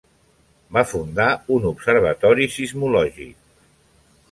Va fundar un observatori sismològic.